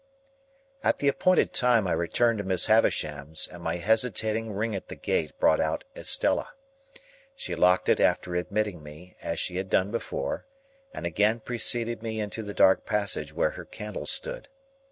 At the appointed time I returned to Miss Havisham's, and my hesitating ring at the gate brought out Estella. She locked it after admitting me, as she had done before, and again preceded me into the dark passage where her candle stood.